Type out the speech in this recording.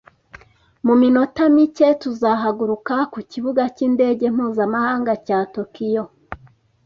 Mu minota mike tuzahaguruka ku Kibuga cy’indege mpuzamahanga cya Tokiyo